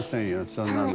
そんなの。